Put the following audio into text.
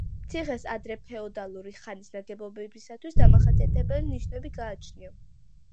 ციხეს ადრეფეოდალური ხანის ნაგებობებისათვის დამახასიათებელი ნიშნები გააჩნია.